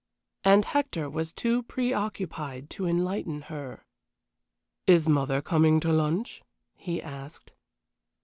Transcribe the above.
And Hector was too preoccupied to enlighten her. "Is mother coming to lunch?" he asked.